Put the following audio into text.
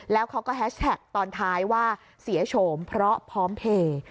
แล้วเขาก็แฮชแท็กตอนท้ายว่าเสียโฉมเพราะพร้อมเพลย์